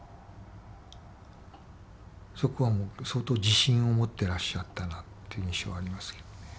そこはもう相当自信を持ってらっしゃったなって印象ありますけどね。